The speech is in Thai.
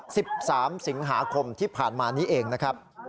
สิบสามสิงหาคมที่ผ่านมานี้เองนะครับ